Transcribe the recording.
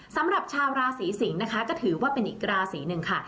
สำหรับชาวราศีสิงศ์นะคะก็ถือว่าเป็นอีกราศีหนึ่งค่ะ